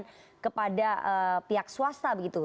dan kepada pihak swasta begitu